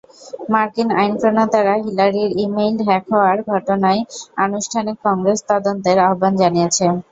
মার্কিন আইনপ্রণেতারা হিলারির email hack হওয়ার ঘটনায় আনুষ্ঠানিক কংগ্রেস তদন্তের আহ্বান জানিয়েছে।